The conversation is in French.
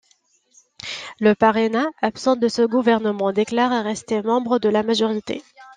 Le Parena, absent de ce gouvernement déclare rester membre de la majorité.